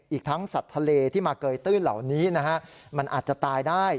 อีกทั้งสัตว์ทะเลที่มาเกยตื้นเหล่านี้นะฮะมันอาจจะตายได้